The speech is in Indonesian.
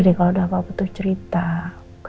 udah deh kalo udah apa apa tuh ceritainnya